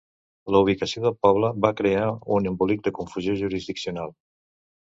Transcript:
La ubicació del poble va crear un embolic de confusió jurisdiccional.